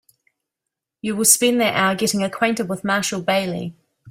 You will spend that hour getting acquainted with Marshall Bailey.